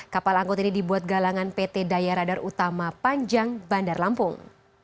kapal angkut ini dibuat galangan pt daya radar utama panjang bandar lampung